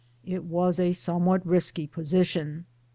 It was a somewhat risky position.